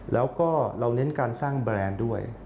แล้วก็เราเน้นการสร้างแบรนด์ด้วย